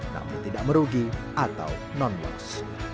tapi tidak merugi atau non loss